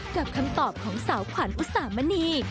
กับคำตอบของสาวขวัญอุสามณี